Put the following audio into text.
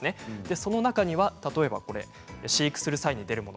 その中には例えば飼育する際に出るもの。